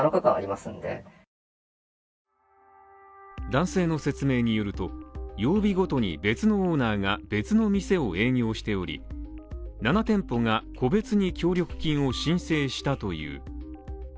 男性の説明によると、曜日ごとに別のオーナーが別の店を営業しており、７店舗が個別に協力金を申請したという。